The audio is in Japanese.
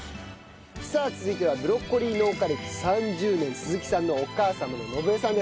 さあ続いてはブロッコリー農家歴３０年鈴木さんのお母様の順恵さんです。